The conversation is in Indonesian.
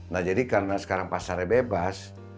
nah jadi karena sekarang pasarnya bebas